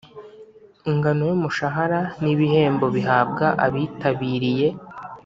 ingano y umushahara n ibihembo bihabwa abitabiriye